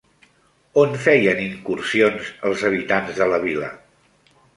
On feien incursions els habitants de la vila?